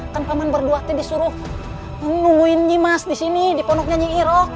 kan paman berdua tadi disuruh menunggu nyimas disini di peroknya nyiroh